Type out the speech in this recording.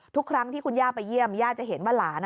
ทุกครั้งที่คุณย่าไปเยี่ยมย่าจะเห็นว่าหลาน